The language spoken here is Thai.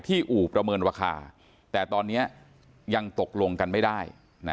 อู่ประเมินราคาแต่ตอนนี้ยังตกลงกันไม่ได้